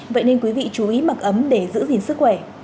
vậy nên quý vị chú ý mặc ấm để giữ gìn sức khỏe